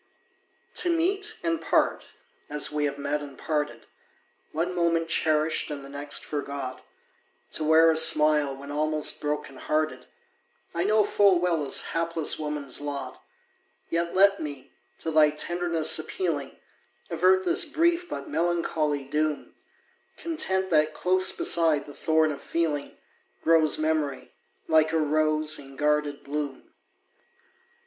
To meet, and part, as we have met and parted, One moment cherished and the next forgot, To wear a smile when almost broken hearted, I know full well is hapless woman's lot; Yet let me, to thy tenderness appealing, Avert this brief but melancholy doom Content that close beside the thorn of feeling, Grows memory, like a rose, in guarded bloom.